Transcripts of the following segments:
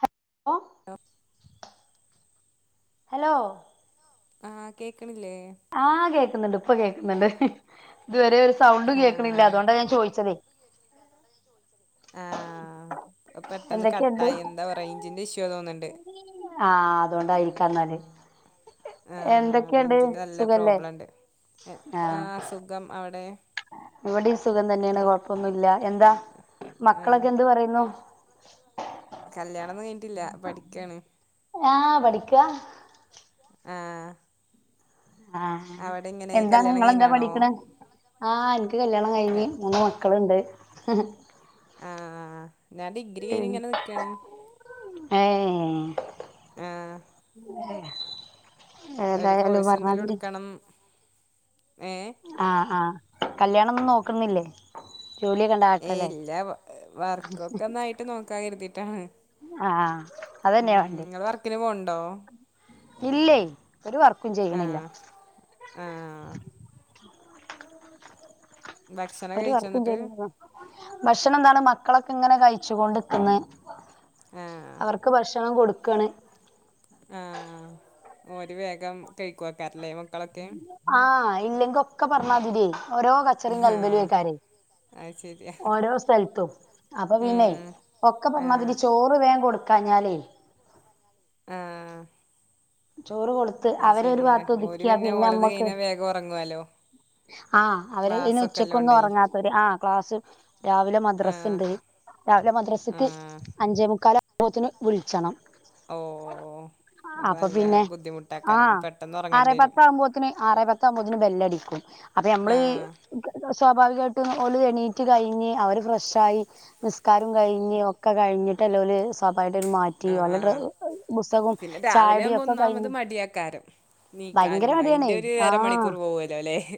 Hello [unintelligible] hello ആഹ് കേക്ക്ണില്ലേ? ആഹ് കേക്ക്ന്ന്ണ്ട് ഇപ്പൊ കേക്ക്ന്ന്ണ്ട്. ഇതുവരെ ഒരു സൗണ്ടും കേക്ക്ണില്ല ആഹ് അതോണ്ടാ ഞാൻ ചോയ്ച്ചതേ. ആഹ് അഹ് പെട്ടെന്ന് എന്തൊക്കെയുണ്ട് കട്ടായി എന്താ വോ റേഞ്ചിന്റെ ഇഷ്യോ തോന്ന് ആഹ് അതോണ്ടായിരിക്കാം ഇന്നാല് ആഹ് റേഞ്ചിന്റെ നല്ല പ്രോബ്ലം ണ്ട് ആഹ് സുഖം അവടെ? ഇവടിം സുഖം തന്നേണ് കൊഴപ്പൊന്നുംല്ല എന്താ ആഹ് മക്കളൊക്കെ എന്ത് പറയുന്നു? കല്യാണം ഒന്നും കഴിഞ്ഞിട്ടില്ല. പഠിക്കാണ്. ആ പഠിക്കാ. ആഹ് ആഹ് അവിടെ ഇങ്ങനെ എന്താണ് കല്യാണം ഇങ്ങളെന്താ കഴിഞ്ഞാണോ പഠിക്ക്ണ്? ആഹ്, ഇൻക്ക് കല്യാണം കഴിഞ്ഞ് മൂന്ന് മക്കള്ണ്ട്. ആഹ് ഞാൻ ഡിഗ്രി കഴിഞ്ഞ് ഇങ്ങനെ നിക്കാണ് ഏ ആഹ് ഒരു ഏതായാലും കോഴ്സ് പറഞ്ഞാ എന്തേലും മാതിരി എടുക്കണം ഏഹ് ആഹ് ആഹ് കല്യാണൊന്നും നോക്കുന്നില്ലേ ജോലിയൊക്കെണ്ട ഏയ് ആട്ടല്ലേ ഇല്ല വർക്കൊക്കെ ഒന്നായിട്ട് നോക്കാന്ന് കരുതീട്ടാണ്. ആഹ് ഉം അതന്നെയാ വേണ്ടേ ഇങ്ങള് വർക്കിന് പോണുണ്ടോ ഇല്ലേ ഒരു വർക്കും ചെയ്യണില്ല. ആഹ് ആഹ് ഭക്ഷണം ഒരു വർക്കും കഴിച്ചോന്നിട്ട് ചെയ്യുന്നില്ല ഭക്ഷണം ഇതാണ് മക്കളൊക്കെ ഇങ്ങനെ കയിച്ച് കൊണ്ടിക്കന്ന്. ആഹ് അവർക്ക് ഭക്ഷണം കൊടുക്കണ് ആഹ് ഓര് വേഗം കഴിക്കുവാക്കാറല്ലേ മക്കളൊക്കെ ഇല്ലെങ്കിൽ ഒക്കെ പറഞ്ഞാ മാതിരി ഓരോ കച്ചറയും ആഹ് കൽബില് വക്കാറേ അത് ശരിയാ ഓരോ സ്ഥലത്തും അപ്പൊ പിന്നെ ഉം ഒക്കെ പറഞ്ഞ മാതിരി ആഹ് ചോറ് വേഗം കൊടു ക്കാഞ്ഞാലേ ആഹ് ചോറ് കൊടുത്ത് അത് അവരെ ഒരു ശരിയാണ് ഭാഗത്ത്‌ ഓര് ഒതുക്കിയാൽ പിന്നെ ഓലത് നമ്മക്ക് കഴിഞ്ഞാ വേഗം ഉറങ്ങുവല്ലോ ആഹ് അവര് ഇന്ന് ഉച്ചക്കൊന്നും ക്ലാസ്സൊക്കെല്ലോണ്ടേ ഉറങ്ങാത്തവര് ആ ക്ലാസ്സ് രാവിലെ മദ്രസ ആഹ് ഉണ്ട് രാവിലെ മദ്രസക്ക് ആഹ് അഞ്ചേമുക്കാല് ആവുമ്പോത്തേന് വിളിച്ചണം ഓ ഓ ഓ അപ്പൊ പിന്നെ ആ പെട്ടെന്ന് ആറേ ഉറങ്ങേണ്ടി വരും പത്താകുമ്പോളത്തേന് ആറേ പത്താകുമ്പോളത്തേന് ബെല്ലടി ക്കും അപ്പൊ നമ്മള് ആഹ് [unintelligible] സ്വാഭാവികമായിട്ട് ഓല് എണീറ്റ് കഴിഞ്ഞ് അവര് ഫ്രഷായി നിസ്കാരവും കഴിഞ്ഞ് ഒക്കെ കഴിഞ്ഞി ട്ടലോല് സ- [unintelligible] മാറ്റി വന്ന്ട്ട് ആഹ് ബുസ്‌തകോം പിന്നെ രാവിലെ ച്ചായൊടി ആകുമ്പോ ഒക്കെ കയ്ഞ് ഒന്നാമത് മടിയാക്കാരം ഭയങ്കര മടിയാണെ ആഹ്. എലേഹ്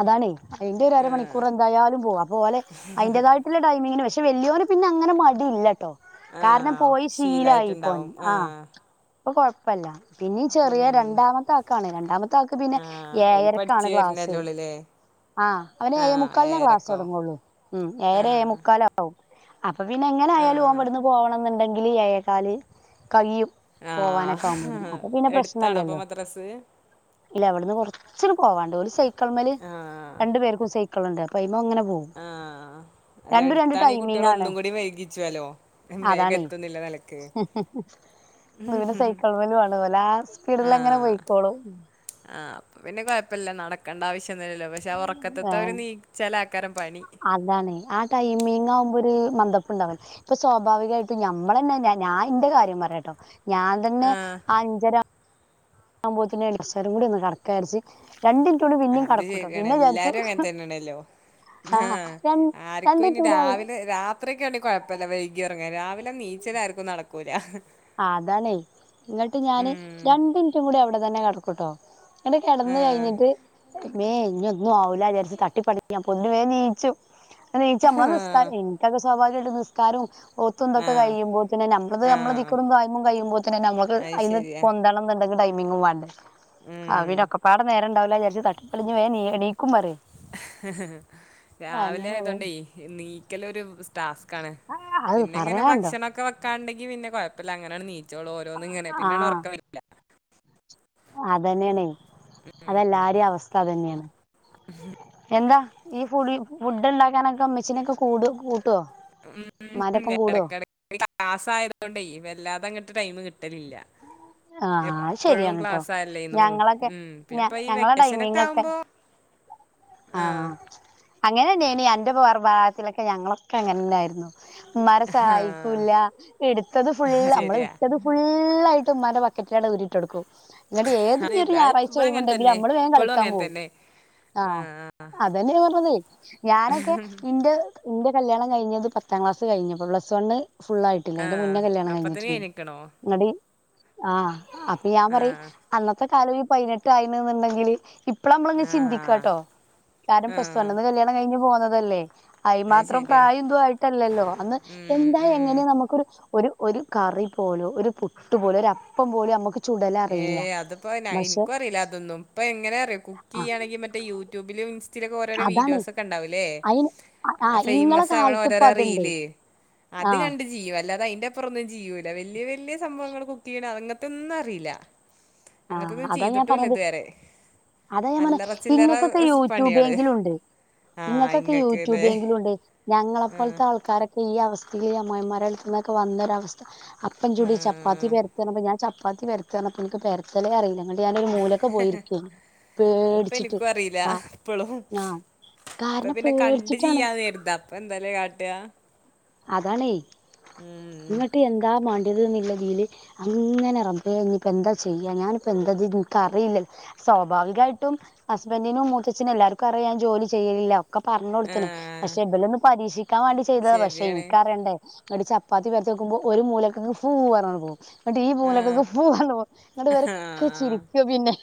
അതാണെ എന്റ ഒരു അരമണിക്കൂറെന്തായാലും പോവും അപ്പോ ഓലെ അയ്ന്റതായിട്ടുള്ള ടൈമിങ്ങിന് വെശ പക്ഷെ വെല്ല്യോന് പിന്നെ അങ്ങനെ മടിയില്ലട്ടോ ആഹ കാരണം ആ പോയി ശീലായി പോന് ശീലായിട്ട്ണ്ടാവും ആ ആഹ ഇപ്പൊ കൊഴപ്പല്ല പിന്നീ ചെറിയ രണ്ടാമത്തെ ആക്കാണ് രണ്ടാമത്തെ ആക്ക് പിന്നെ ഏയരക്ക് ചേര്നൊള്ള്ല്ലേ ആഹ് അവനെ ഏയമുക്കാൽനാ ക്ലാസ് തുടങ്ങുള്ളൂ ഉം ഏയര ആഹ് ഏയെമുക്കാലാവും അപ്പൊ പിന്നെ എങ്ങനെ ആയാലും ഓൻ ആഹ് ഇവ്ടുന്ന് പോവണംന്നുണ്ടെങ്കില് ഏയേകാല് കയ്യും പോവാനൊക്കെ ആവുമ്പോ ആഹ് അപ്പൊ പിന്നെ എടുത്താണോ അപ്പൊ പ്രശ്നല്ലല്ലോ മദ്രസ് ഇല്ല ഇവടന്ന് കൊറച്ച് ഇങ്ങട് പോവാണ്ട് ഓര്സൈക്കളുമ്മല് ആഹ് രണ്ടു പേര്ക്കും സൈക്കള്ണ്ട് അപ്പയ് ന്നും അങ്ങനെ പോവും ആഹ അല്ല എടുത്താണെ കുട്ട്യോൾ ഒന്നും കൂടി വെയ്കിച്ചോല്ലോ വേഗം എത്തുന്ന്ള്ള ന്നിലക്ക് എന്നാ പിന്നെ സൈക്കിൾമല് വന്നപൊലാ സ്പീഡില് അങ്ങനെ ആഹ് പൊയ്‌ക്കോളും ഇപ്പല്ല നടക്കണ്ട ആവശ്യം ഒന്നുല്ലല്ലോ പഷെ ആ ഒറക്കത്ത്ത്തേ ഒരു നീച്ചലാ അതാണ്ആ ടൈമിങ്ങാവുമ്പൊര് മന്ദപ്പുണ്ടാവും ഇപ്പൊ സ്വാഭാവികായ്ട്ട് ഞമ്മളന്നെ ഞാൻന്റെ കാര്യം പറയാട്ടോ ഞാൻ തന്നെ ആ അഞ്ചര ആവുമ്പത്തിന് എണീച്ചാലും കൂടി ഒന്ന് കടക്ക വിരിച്ച് രണ്ടിൻറ്റൂടി പിന്നേം അത് കടക്കൂട്ടോ പിന്നെ വിചാരിച്ചു ആഹ ആഹ് രണ്ട് ആർക്കും ഇനി മിനിറ്റ് കൂടി അവിടെ രാവിലെ രാത്രിയൊക്കെയ ആണ കുയപ്പല്ല വൈകിഉറങ്ങി അങ്ങനെ രാവിലെ നീച്ചലാര്ക്കും ന്നടക്കൂല ആ അതാണേ ഇന്ന്ട്ട് ഞാന് ഉം രണ്ടിൻറ്റും കൂടി അവിടെ തന്നെ കടക്കൂട്ടോ ങ്ങണ്ട് ആ കെടന്ന് കയ്ഞ്ഞിട്ട് മേ ഇനൊന്നും ആവുല്ല വിചാരിച് തട്ടിപ്പടഞ്ഞ്ഞാൻ അപ്പോ തിൻമേ നിച്ചും നിച്ച് നമ്മളെനിസ്കാരയ്ന് എനിക്കൊ സ്വാഭാവികായിട്ട് നിസ്കാരോം ഒത്തും ഇത് ആ ആ ഒക്കെകഴിയുമ്പോത്തിനും നമ്മളത് ആ നമ്മളദിക് ദിക്റ് കാര്യങ്ങൾകയുമ്പോത്തിനും നമുക്ക് അത് അയ്ന്ന് ശരിയാ പൊന്തണം ന്ന്ണ്ടെങ്കിൽ ടൈമിങ്ങും വാണം ആ ഉം പിന്നെഒക്കപ്പാടെ നേരംണ്ടാവില്ലാ വിജാരിച് തട്ടിപ്പൊളിഞ് വേഗം നീ എണി രാവിലെ അങ്ങനെ അതെ ആയതോണ്ടേ നീക്കലൊരു സ്ട്ടാസ് ക് ക്കണ് അത് പിന്നിങ്ങനെ പറയാണ്ടോ ഭക്ഷണൊക്കെ വെക്കാണ്ടെങ്കി പിന്നെ കുയപ്പല്ല അങ്ങനങ്ങട് നീക്കു ചോള്ളു പിന്നെഓരോന്ന്ങ്ങനെ പിന്നങ്ങട് ഒറക്കം വര്ല്ല അതന്നെണേ അതെല്ലാരെ അവസ്ഥ അതെന്നെണ് എന്താ ഈ ഫുളി ഫുഡ് ഉണ്ടാക്കാനൊക്കെ ഇമ്മച്ചിനൊക്കെ കൂടൊ കൂട്ടോ ഉമ്മാന്റപ്പം കൂടൊ ക്ലാസ്സായതോണ്ടെ വല്ലാതങ്ങ്ട്ട് ടൈമ് കിട്ടലില്ല ആഹ് അത് എപ്പഴും ശരിയാണ് ട്ടോ ക്ലാസ്സല്ലേന്നു ഞങ്ങളൊക്കെ ഉം ഇപ്പ ഈ വെക്കേഷനൊക്കെ ആവുമ്പോ ആഹ ആഹ് അങ്ങനെന്നെയേണെ അന്റെ ഫോർമ ത്തിലൊക്കെ ഞങ്ങളൊക്കെ അങ്ങനെനായിരുന്നു ഉമ്മാരെസഹായിക്കൂല്ല എടുത്തത് ഫുള്ള് അത് നമ്മള് ശരിയാ. ഇട്ടത് ഫുള്ള് ഫുള്ളായ്ട്ടും ഉമ്മാന്റെബക്കറ്റിലങ്ങട് ഊരിട്ടോട്ക്കും ഇങ്ങട് അത് ഏതങ്കിലും അത് ഞായറാഴ്ച ഇവടെ അങ്ങനെ ഒഴിവ്ണ്ടെങ്കില് തന്നെ. നമ്മള് വേഗം ഇപ്പളും കളിക്കാൻ അങ്ങനെ പോവും തന്നെ. ആഹ് അതെന്നെയ പറഞ്ഞത് ഞാനൊക്കെ ഇന്റെ എന്റെ കല്യാണം കഴിഞ്ഞത് പത്താം ക്ലാസ് കഴിഞ്ഞപ്പോ പ്ലസ് വണ് ഫുള്ളായ്ട്ടില്ല എയ്ന്റെ ആഹ് മുനെ കല്യാണം അപ്പത്തിന് കയ്ഞ്ഞിട്ട്ണ്ട് എണീക്കണോ? ആ അപ്പൊ ഞാൻ പറയും ആഹ് അന്നത്തെ കാലം ഈ പയ്നെട്ട് ആയിന്ന് ന്ന്ണ്ടെങ്കില് ഇ ഇപ്പള നമ്മളിങ്ങനെ ആഹ് ചിന്തിക്കാട്ടോ കാരണം പ്ലസ് ആഹ് വണ്ണന്ന്കല്യാണം കയ്ഞ്ഞ് പോന്നതല്ലേ അയ് അത് മാത്രം ശരിയാ. പ്രായം ഇതു ആയിട്ടല്ലല്ലോ അന്ന് ഉം എന്താ ഉം എങ്ങനെയ നമുക്കൊരു ഒരു ഒരു കറി പോലും ഒരു പുട്ട് പോലും ഒരു അപ്പം പോലും നമുക്ക് ചുടല അറിയില്ല ഏഹ് അതിപ്പോ ന പക്ഷെ ഇൻക്കു അറിയില്ല അതൊന്നും ഇപ്പൊ എങ്ങനെ അറിയ ആ കുക്ക്യ്യാണെങ്കി മറ്റേ യൂട്യൂബിലും ഇതിലൊക്കെ ഓരോരോ അതാണ് വീഡിയോസ് ഒക്കെ ഉണ്ടാവുംല്ലേ അയിന് ആ ഇങ്ങളെ ഫേമസ് ആവ്ണ കാലത്ത് ഇപ്പ ഓരോരോ അതുണ്ട് റീല് അത് ആഹ് കണ്ട് ജീയു അല്ലാതെ അയ്ന്റെ അപ്പറൊന്നും ചെയൂല വല്യ വല്യ സംഭവങ്ങൾ കുക്ക് ചെയ്യണം അങ്ങത്തെ ഒന്നും അറിയില്ല അങ്ങത്തൊന്നും ചെയ്തിട്ടുംല്ല ഇതുവരെ അത ഞാൻ പറഞ്ഞ അല്ലറ ചില്ലറ ഇങ്ങൾക്കൊക്കെ സ് പണികള് യൂട്യൂബെങ്കിലും ഉണ്ട് ആഹ് യിങ്ങക്കൊക്കെ ഇങ്ങക്ക്ല്ലേ യൂട്യൂബങ്കിലുണ്ട് ആഹ് ഞങ്ങളെപ്പോൽത്തെ ആൾക്കാരൊക്കെ ഈ അവസ് തി ഇ ഈ അമ്മയ്മാരെ ത്തുന്നന്നൊക്ക വന്നരവസ്ഥ അപ്പൻ ചൂടി ചപ്പാത്തി ആഹ് പരത്ർഞപോ ഞാൻ ചപ്പാത്തി പരത്തർഞപോ ഇൻക്ക് പരതലേ അറിയില്ല ങ്ങട്ട് യാന് രു മൂലൊക്കെ പോയിരിക്കും അതിപ്പോ പേടിച്ചിട്ട് കാ ഞാ ഇപ്പ പിന്നെ കണ്ട് ചെയ്യാ നേരുത അപ്പൊ എന്താലേ കാ അതാണേ ഉം ഇങ്ങട്ട് എന്താ മ ഇത് ന്ന്ള്ള തീല് അങ്ങനെ റബ്ബേ ഞ്ഞി പ്പ എന്താ ചെയ്യ ഞാനിപ്പോ ന്താത് ബു ക്കറിയില്ലല് സ്വാഭാവികയിട്ടും ഹസ്ബൻഡിനും മൂത്തച്ഛനും എല്ലാവർക്കും അറിയാം ജോലി ചെയ്യലില്ല ഒക്കെ പർഞ് കൊടുത്ണ് ആഹ് പക്ഷെ ഇബലൊന്ന് പരീക്ഷിക്കാൻ വേണ്ടി ചെയ്തതാ പക്ഷെ ശരിയാണ് എനിക്കറിയണ്ടേ അടി ചപ്പാത്തി വരത്ത് വക്കുമ്പോൾ ഒരു മൂലക്കെങ് ഫു അർഞ്ണ് പോവൂ എന്നിട്ട് ഈ ആഹ് മൂലക്കെന്ന് ഫു അന്ന് പോവൂ ന്നട്ട് വരൊക്കെ ആഹ് ചിരിക്കു പിന്നെ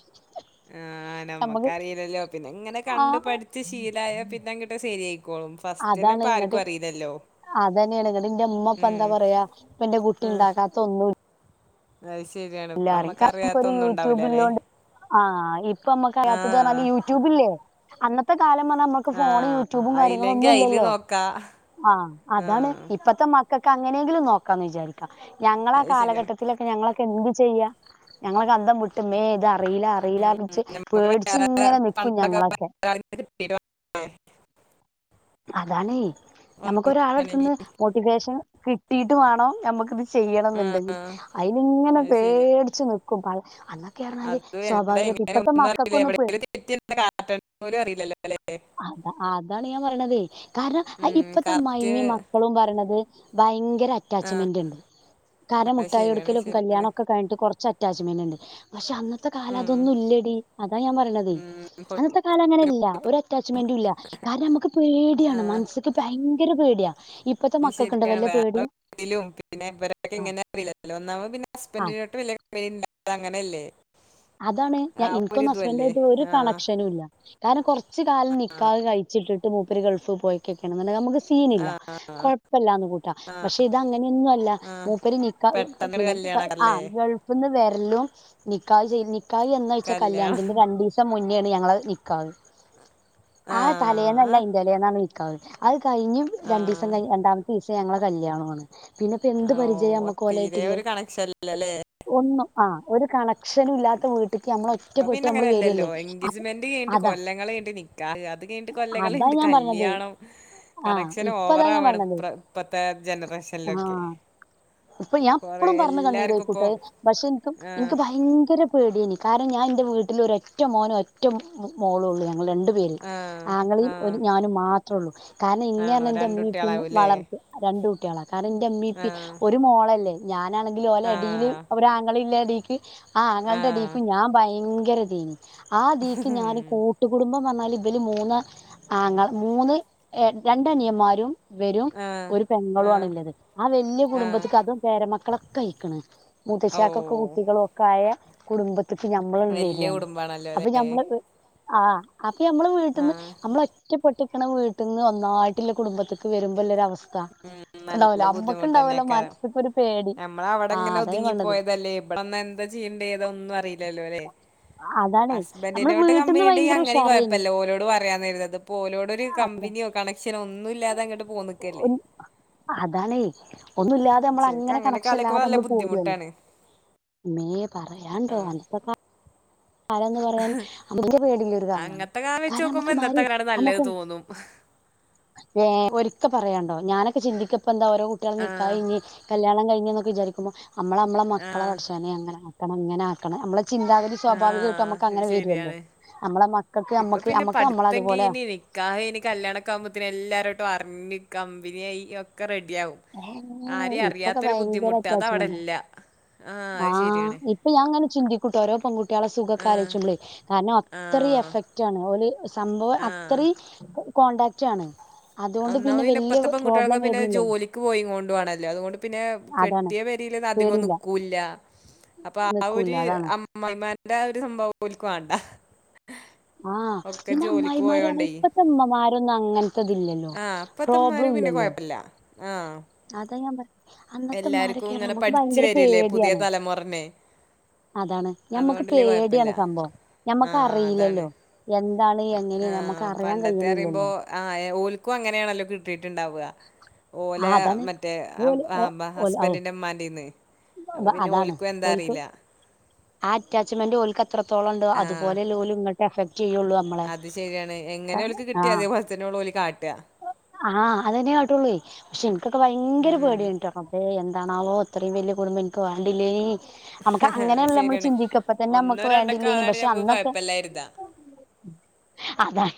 ആഹ് നമ്മക്ക് നമ്മക്കറിയില്ലല്ലോ പിന്നെ ഇങ്ങനെ ആ കണ്ടു പഠിച്ചു ശീലായ പിന്നെ അങ്‌ട്ട് ശരിയായി കോളും ഫസ്റ്റ് ന്നെ അതാണ് ഇപ്പ ഇങ്ങട്ട് ആർക്കും അറിയില്ലല്ലോ അതന്നെയാണ് ങ്ങട്ട് ന്റെ മ്മപ്പ ഉം എന്താ പറയാ ഇപ്പ എന്റെ കുട്ടി ആഹ് ണ്ടാക്കാത്ത ഒന്നും അത് ശരിയാണ് ഇപ്പ ല്ലറി നമ്മക്ക് അറിയാത്ത കക്കൊരു ഒന്നും ഉണ്ടാവൂലല്ലേ യൂട്യൂബല്ലോണ്ട് ആഹ് ഇപ്പ അമ്മക്ക് അറിയാത്തത് പറഞ്ഞാല് ആഹ് യൂട്യൂബില്ലേ അന്നത്തെ കാലമാണ് നമുക്ക് ഫോൺ ആഹ് യൂട്യൂബും അയില്ലെങ്കി കാര്യങ്ങളൊന്നും ഇല്ല അയില് ല്ലോ നോക്കാ അഹ് അതാണ് ആഹ് ഇപ്പത്തെ മക്കൾക്ക് അങ്ങനെങ്കിലും നോക്കാന്ന് വിചാരിക്കാ ഞങ്ങളാ അത് ശരിയാണ് കാലഘട്ടത്തിലൊക്കെ ഞങ്ങളൊക്കെ എന്ത് ചെയ്യാ ഞങ്ങളൊക്കെ അന്തം വിട്ട മേ ഇതാ അറീലല അറീല ഉം ഉം വിച്ച് നമ്മക്ക് വേറെ പേട്ച്ച്ങ്ങനെ നിക്കും പണ്ടൊക്കെ ഞങ്ങളൊക്കെ വേറെ ആരെങ്കിലും കിട്ടീട്ട് വേണം അതാണേ ഒന്നിച്ച് നമക്കൊരാളട്ത്ത്ന്ന് ചെയ്യണെങ്കി മോട്ടിവേഷൻ കിട്ടീട്ടു വാണം നമക്കിതു ചെയ്യണംന്ന് ണ്ടെങ്കി ആഹ് അയ് ല്ങ്ങനെ അത് ശരിയാ പേടിച്ചു നിക്കും പഴ അത് എന്താ ഇങ്ങനെ ഒന്നും അറീല മക്കൾക്കൊന്നും എവടെ പേ [unintelligible] പോലും അറീലല്ലോ ലേ അത അതാണ് ഞാ ൻ പറിണതെയ് കാരണം ഉം ഇപ്പത്തെ കറക്റ്റ് അമ്മായ്മിം മക്കളും പറിണത് ഭയ ങ്കര ആ അറ്റാച്ച്മെന്റ് ഉണ്ട് കാരണം അത് മുട്ടായി ശരിയാണ് എടുക്കലും ശരിയാണ് കല്യാണം ഒക്കെ കഴിഞ്ഞിട്ട് കൊറച്ച് അറ്റാച്ച്മെന്റ് ഇണ്ട്. പക്ഷെ അന്നത്തെ കാല ഉം അതൊന്നും ഇല്ലടി അതാ ഞാൻ പറിണതേയ് ഉം അന്നത്തെ കാലം അങ്ങനെ പൊട്ടൊരു ഇല്ല കൂട്ടം. ഒരു അറ്റാച്ച്മെന്റും ഇല്ല കാരണം നമുക്ക് പേടിയാണ് മനസ്ക്ക് ഭയങ്കര പേടിയാ ഇപ്പത്തെ നീ മക്കൾക്കുണ്ടോ ശരിയാണ് വല്ല വേ [unintelligible] പേടിയും [unintelligible] പിന്നെ ഇവരൊക്കെ ആഹ് എങ്ങനെ അറീലല്ലോ ഒന്നാമത് പിന്നെ ആഹ് ഹസ്ബൻഡിനേട്ട് വല്യെ [unintelligible] അതങ്ങനെല്ലേ അതാണ് ഞാൻ ഇനിക്കൊന്നും ഹസ്ബൻഡു ആയിട്ട് ഒരു ആ കണക്ഷനും ഇല്ല കാരണം കുറച്ച് കാലം ആ നിക്കാഹ് കഴിച്ചിട്ട് ട്ട് മൂപ്പര് ഗൾഫ് പോയ്ക്കക്കേണ്ന്ന് ണ്ടെങ്കെ നമക്ക് സീനില്ല ആ കൊഴപ്പല്ലാന്ന് കൂട്ട ആ പക്ഷെ ഇത അങ്ങനെയൊന്നും അല്ല ആ മൂപ്പര് നിക്കാഹ് പെട്ടെന്നൊരു പിന്നെ ക ആ കല്യാണമല്ലേ ഗൾഫ്ന്ന് വെരലും നി [unintelligible] നിക്കാഹ് എന്നായ് ച്ചാ കല്യാണം കല്യാണത്തിന്റെ രണ്ടീസം മുന്നേണ് ഞങ്ങളെ നിക്കാഹ്. ആ തലേന്നല്ല അയ്ൻ്റെലേന്നാണ് നിക്കാഹ് അത് കഴിഞ് ആ രണ്ടീസം കഴ് രണ്ടാമത്തീസ് ഞങ്ങളെ കല്യാണോണ് പിന്നെപ്പോ ആ എന്ത് പരിചയാ ഓ നമ്മക്ക് തീരെ ഓലേട്ട്ള്ളേ ഒരു കണക്ഷൻ ഒന്നും ആഹ് ഒരു കണ ഇപ്പ പിന്നെ അങ്ങനെല്ലല്ലോ വരല്ലേ അപ്പൊ എൻഗേജ്മെന്റ് കയ്ഞ്ഞ്ട്ട് അതാ കൊല്ലങ്ങള് കയ്ഞ്ഞ്ട്ട് നിക്കാഹ് അ അത് കഴിഞ്ഞിട്ട് കൊല്ലങ്ങള് അതാ കയ്ഞ്ഞ്ട്ട് ഞാൻ പറഞ്ഞത് കല്ല്യാണം ആ കണക്ഷൻ ഇപ്പതാ ഞാൻ ഓവറാവാണ് പറഞ്ഞത് ഇ ഇപ്പത്തെ ജനറേഷനിലൊക്കെ ആഹ് ഇപ്പൊ ഞാൻ കുറേ എപ്പളും പറഞ്ഞ കണ്ണീര് എല്ലാവർക്കും ഇപ്പോ ആയിക്കൂട്ടെ പക്ഷെ ഇനക്കും ആഹ് ഇൻക്ക് ഭയങ്കര ഗ്ര പേടേനി കാര്ണം ഞാന് എന്റെ വീട്ടില് ഒരറ്റ മോനും ഒറ്റ മോളൊള്ളു ഞാൻ ആ രണ്ട് പേര് ആഹ് ആങ്ങളീം ഒരു ആഹ് ഞാനും മാത്രൊള്ളു കാര്ണം ഇന്നെ ആണോ അറ്ഞാ ഇന്റെ രണ്ട് ഇമ്മി ഇപ്പി കുട്ടികളാവൂല്ലേ വളർത്തി രണ്ട് കുട്ട്യേളാ കാര്ണം ഇന്റെ ഇമ്മി ഇപ്പി ആഹ് ഒര് മോളെല്ലേ ഞാനാണെങ്കില് ഓലടീല് ആഹ് ഒരാങ്ങളില്ലെതീക്ക് ആഹ് ആഹ് അങ്ങൾന്റെടീകും ഞാൻ ഭയ ങ്കരതേനി ആ തീക് ഞാന് കൂട്ട്കുടുംബം ഇന്നാല് ഇബെല് മൂന്ന ആങ്ങള മൂന്ന് ഏ രണ്ട് അനിയന്മാരും ഇവരും ആഹ് ഒര് പെങ്ങള്വാന് ആഹ് ഇല്ലത്. ആഹ് വല്ല്യ ആഹ് കുടുംബത്ത്ക് അതും പേരമക്കളൊക്കയ്ക്ക് ണ് ഓ മൂത്തച്യേക്കൊക്കെ കുട്ടികള് ഒക്കായ കൂടുംബ ബത്ത്ക്ക് ഞമ്മള് ആണ്ട് വല്യ വരാണ്. കുടുംബാണല്ലോ അപ്പം അല്ലേ ഞമ്മള് ആഹ് അപ്പം ഞമ്മള് വീട്ടീന്ന് ആഹ് ഞമ്മള് ഒറ്റപ് പ്പെട്ട്ക്ക്ണ വീട്ട്ന്ന് ഒന്നായ്ട്ട്ള്ള കുടുംബത്ത്ക് വരുമ്പെല്ല ഒരവസ ഉം ഉം നല്ല ബുദ്ധിമുട്ടന്നെയ്കാരം. മനസ്സ്ക്ക് ഒരു പേടി ആഹ് ഞമ്മളവടെങ്ങനെ അതാ ഞാൻ ഒതുങ്ങി പറഞ്ഞത് പോയതെല്ലേ. ഇവിടന്ന എന്താ ചെയ്യെണ്ടേ തൊന്നും അറീലല്ലൊ ലെ അതാണേ നമ്മള് അസ്ബന്റ്നോട്‌ വീട്ട്ന്ന് കമ്പനി ഇണ്ടെങ്കി ഭയങ്കര അങ്ങെനിം ഉഷാറേനി കൊയപ്പല്യ. ഓലോട് പറയന്ന് കരുത ഇത്പോലോട് ഒര് കമ്പിനി കണക്ഷനൊന്നുല്ലാതെ അങ്ങട്ട് പോന്ന്ക്കല്ലേ ഹതാണെ. ഒന്നൂല്ലാതെ ശരിക്കും നമ്മളങ്ങനെ അങ്ങനൊക്കെ ആലോചിക്കുമ്പോ കണക്ഷഇല്ലാതെ നല്ല ഞമ്മള് പോവാണ് ബുദ്ധിമുട്ടാണ് മേ പാറയാണ്ടോ അന്നെത്തെ കാ അതൊന്ന് പറയാൻ [unintelligible] പേടിള്ള കലാണ് ന്നാ വെച്ചോകുമ്പം ഇന്നത്തെ കാ [unintelligible] ണ് നല്ലെ [unintelligible] ന്ന് തോന്നും ങേ ഒരിക്ക പറയാണ്ടോ ഞാനൊക്ക ചിന്തിക്ക ഇപ്പംന്താ ഓരോ കുട്ട്യേള ആഹ് നികാഹയ്ഞ്ഞ്. കല്യാണം കഴിഞ്ഞ്ന്നൊക്കെ വിജാരിക്കുമ്പം ഞമ്മള് ഞമ്മളെ മക്കളെ ആഹ് പടച്ചോനെ അങ്ങാനാക്കണം. ഇങ്ങനാകണം ഞമ്മളെ ചിന്താഗതി സ്വാഭാവികായിട്ടും ഞമ്മക് ആഹ് അങ്ങനെ വരൊല്ലോ. ശരിയാണ് അമ്മളെ മക്കൾക്ക് ഇപ്പൊ നമ്മക് ഞമ്മള അത്പോലെ.. കല്ലിയാണക്കാവുംബോത്തിന് എല്ലാരോടും അറിഞ്ഞേ കമ്പിനായി ഒക്കെ റെഡി ടിവും ഏ ആരെ ഇപ്പൊക്കെ അറിയാത്തരൂ ഭയങ്കര ബുദ്ധിമുട്ട് അത് അറ്റാച്ച്മെന്റാ അവിടല്ല ആ ആഹ് ഇപ്പ ഞാനിങ്ങനെ ചിന്തിക്കുട്ടോ ഓരോ പെൺകു.. ട്ടിളെ സുഖക്കെ ആ ആലോയ്ച്ചുമ്പള് കാരണം ആ അത്രയ്കും എഫക്റ്റാണ് ഓല് സംഭവം ആ അത്രിയേം കൊണ്ടാക്റ്റാണ് ഒന്നാമന്ന ഇപ്പത്തെ പെൺകുട്ടിലൊക്കെ പിന്നെ ജോലിക്ക് പോയികൊണ്ടാണ്ല്ലേ അത് കൊണ്ട് പിന്നെ അതാണ് കെട്ടിയ പേരില്- ന്നതികം പേടിയില്ല നിക്കൂല അപ്പ ആ നിക്കൂല്ല ഒര് അതാണ് അമ്മായിമ്മാര്ടെ ആ ഒരു സംഭവം ഓല്ക് വാണ്ട ആ പിന്നെ അമ്മായിമ്മാര് ആണേ പോയോണ്ടേ ഇപ്പത്തെ ഇമ്മമാരൊന്നും അങ്ങനത്തതില്ല ല്ലല്ലോ ആ ഇപ്പത്തമ്മാര് പ്രോബ്ലം പിന്നെ ഇല്ലല്ലോ കുഴപ്പമില്ല ആ അതെ ഞാൻ പറഞ്ഞെ അന്നത്തെ എല്ലാവർക്കും ഇമ്മാരോക്കെ അറിഞ്ഞാല് ഇങ്ങനെ ഞമ്മക്ക് പഠിച്ചു ഭയങ്കര വരില്ലേ പുതിയ പേടിയാണ് തലമുറനെ അതാണ് ഞമ്മക് അതുകൊണ്ടല്ലേ കുഴപ്പമില്ല പേടിയാണ് സംഭവം ഞമ്മക് അറിയില്ലലോ ആഹ് കഴിയണില്ലല്ലോ പണ്ടത്തെറിമ്പം ആ ഏ ഓല്കു അങ്ങനെണല്ലോ കിട്ടീട്ട് ഉണ്ടാവക ഓല ആ അതാണ് മറ്റേ അമം ഓല് ആ ഓ ബ ഓല് ഔ ഹസ്ബന്റിന്റെ ഇമ്മന്റീന്ന് അപ്പിന്നെ അതാണ് ഓലിക്കും എന്താന്ന് ഓൽക്ക് അറിയില ആ അറ്റാച്ച് മെന്റ് ഓല്ക് എത്രത്തോളം ഇണ്ട് ആ അത് പോലെ അല്ലെ ഓലും ഇങ്ങട്ട് എഫെക്റ്റ് അത് ശരിയാണ് എങ്ങനെ ഒലക്ക് കിട്ടി ആഹ് അതേപോലെ തന്നെണ് ഓല് കാ- ആഹ് അതെന്നെ കാട്ടുള്ളു പക്ഷേ എനിക്കൊക്കെ ഭയങ്കര ഉം. പീടിയേണിട്ടോ റബ്ബേ എന്താണാവോ ഇത്രേം വല്യ കുടുംബം എനിക്ക് വാണ്ടില്ലേ ഞമ്മക് അത് അങ്ങനെല്ലേ ശരിയാണ് ചിന്തിക്ക ഇപ്പത്തന്നെ ഒന്നോ ഞമ്മക് രണ്ടൊക്കെ വീണ്ടില്ലെനി അതാണ് പക്ഷേ നമുക്ക് അന്നൊക്കെ- കുഴപ്പമില്ലായിരുന്നാ അതാണ്